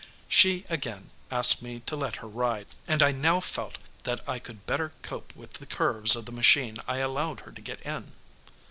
She again asked me to let her ride, and as I now felt that I could better cope with the curves of the machine I allowed her to get in.